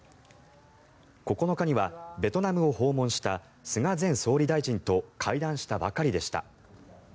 ９日にはベトナムを訪問した菅前総理大臣と会談したばかりでした。